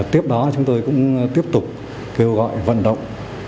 tiếp đó chúng tôi cũng tiếp tục kêu gọi vận động